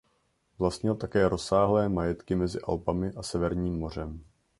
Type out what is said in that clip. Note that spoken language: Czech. Vlastnil také rozsáhlé majetky mezi Alpami a Severním mořem.